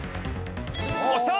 押した！